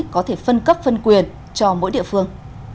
có thể phân cấp phân quyền cho mỗi địa phương